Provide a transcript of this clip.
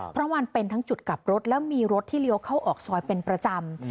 เพราะมันเป็นทั้งจุดกลับรถแล้วมีรถที่เลี้ยวเข้าออกซอยเป็นประจำ